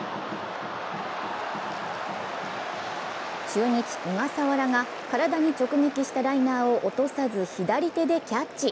中日・小笠原が体に直撃したライナーを落とさず、左手でキャッチ。